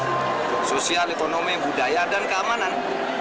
untuk sosial ekonomi budaya dan keamanan